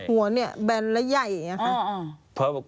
หัวเนี่ยแบนและใหญ่อย่างนี้ค่ะ